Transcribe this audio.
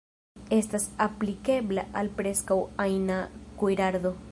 Estas aplikebla al preskaŭ ajna kuirado.